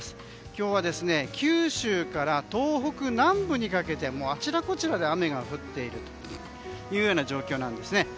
今日は九州から東北南部にかけてあちらこちらで雨が降っているという状況なんです。